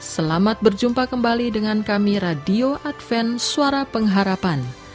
selamat berjumpa kembali dengan kami radio adven suara pengharapan